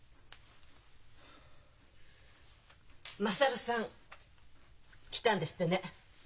優さん来たんですってね？